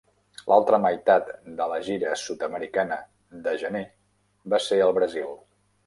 L'altra meitat de la gira sud-americana de gener va ser al Brasil.